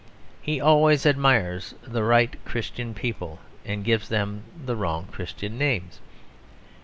He always admires the right Christian people, and gives them the wrong Christian names.